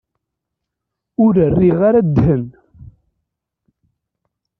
Ur rriɣ ara ddhen.